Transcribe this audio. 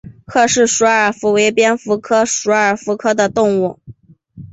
郝氏鼠耳蝠为蝙蝠科鼠耳蝠属的动物。